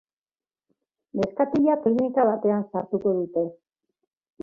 Neskatila klinika batean sartuko dute.